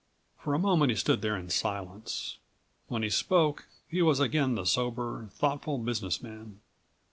For a moment he stood there in silence. When he spoke he was again the sober, thoughtful business man.